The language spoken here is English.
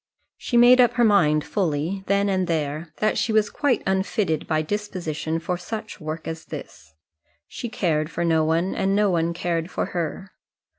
She made up her mind fully, then and there, that she was quite unfitted by disposition for such work as this. She cared for no one, and no one cared for her.